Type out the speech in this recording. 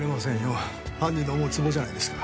犯人の思うつぼじゃないですか。